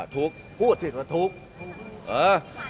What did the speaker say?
ถูกพูดถูกเออ